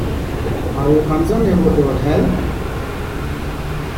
Are you concerned about your health?